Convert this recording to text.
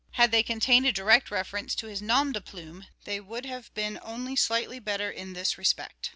Had they contained a direct reference to his nom de plume they would have been only slightly better in this respect.